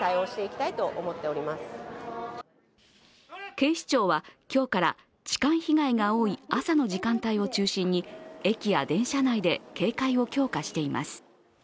警視庁は今日から痴漢被害が多い朝の時間帯を中心に駅や電車内で警戒を強化しています。